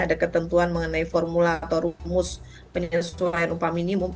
ada ketentuan mengenai formula atau rumus penyesuaian upah minimum